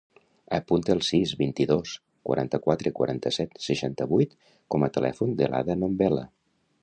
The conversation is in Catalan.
Apunta el set, vint-i-dos, quaranta-quatre, quaranta-set, seixanta-vuit com a telèfon de l'Ada Nombela.